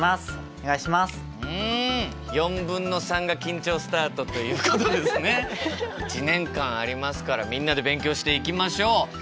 3/4が緊張スタートということでですね１年間ありますからみんなで勉強していきましょう。